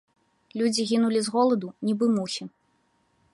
Людзі гінулі з голаду, нібы мухі.